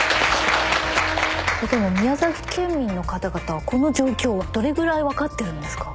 えっでも宮崎県民の方々はこの状況をどれぐらいわかってるんですか？